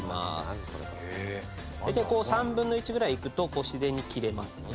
大体３分の１ぐらいいくと自然に切れますので。